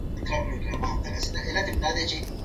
ایا مسلکي بڼوال بادام صادروي؟